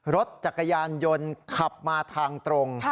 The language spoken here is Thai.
รถจักรยานยนต์ขับมาทางตรง